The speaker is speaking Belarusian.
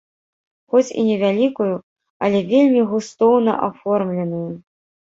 Хоць і невялікую, але вельмі густоўна аформленую.